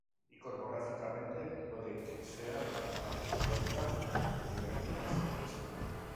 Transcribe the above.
Iconográficamente, puede que sea la arquivolta el elemento más interesante.